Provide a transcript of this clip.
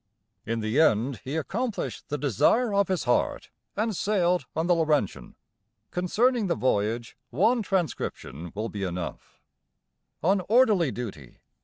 In the end he accomplished the desire of his heart, and sailed on the 'Laurentian'. Concerning the voyage one transcription will be enough: On orderly duty.